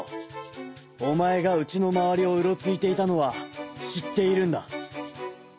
おまえがうちのまわりをうろついていたのはしっているんだ！」。